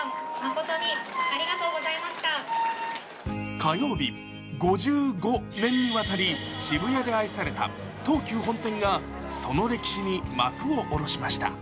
火曜日、５５年にわたり、渋谷で愛された東急本店がその歴史に幕を下ろしました。